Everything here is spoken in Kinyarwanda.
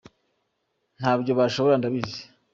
ntabyobashora ndabizi.